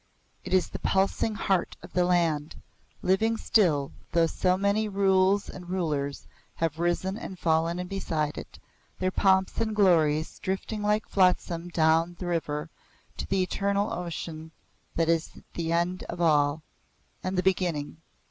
It is the pulsing heart of the land, living still though so many rules and rulers have risen and fallen beside it, their pomps and glories drifting like flotsam dawn the river to the eternal ocean that is the end of all and the beginning.